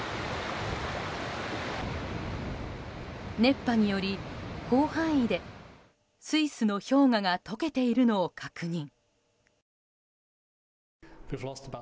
熱波により、広範囲でスイスの氷河が解けているのを確認。